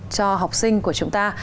cho học sinh của chúng ta